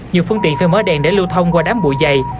nhiều phương tiện phê mớ đèn để lưu thông qua đám bụi dày